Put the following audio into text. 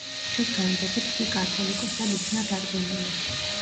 ღვთის განგებით იგი კათოლიკოსად იქნა დადგენილი.